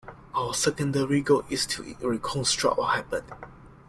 Our secondary goal is to reconstruct what happened.